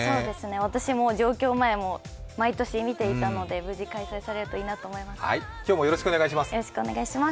私も上京前は毎年見ていたので、無事開催されるといいなと思います。